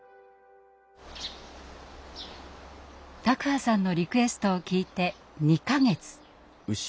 卓巴さんのリクエストを聞いて２か月。